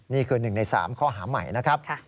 นี่คือ๑ใน๓ข้อหาใหม่นะครับ